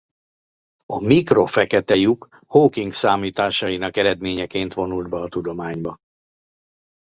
A mikro fekete lyuk Hawking számításainak eredményeként vonult be a tudományba.